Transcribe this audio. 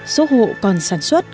số hộ còn sản xuất